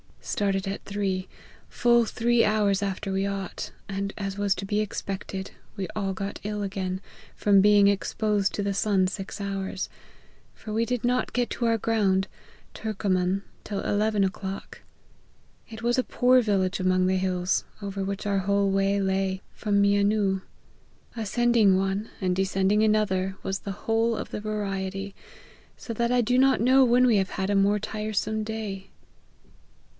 Started at three, full three hours after we ought, and, as was to be expected, we all got ill again, from being exposed to the sun six hours ; for we did not get to our ground, Turcoman, till eleven o'clock. It was a poor village among the hills, over which our whole way lay, from Mianu. Ascending one, and descending another, was the whole of the variety, so that I do not know when we have had a more tiresome day."